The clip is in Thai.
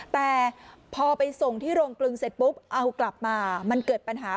แต่พอไปส่งที่โรงกลึงเสร็จปุ๊บเอากลับมามันเกิดปัญหา